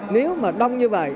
nếu mà đông như vậy